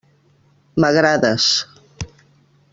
M'agrades.